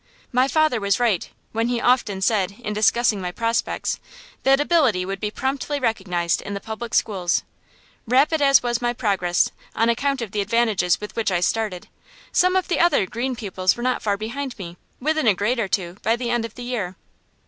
My father was right, when he often said, in discussing my prospects, that ability would be promptly recognized in the public schools. Rapid as was my progress, on account of the advantages with which I started, some of the other "green" pupils were not far behind me; within a grade or two, by the end of the year.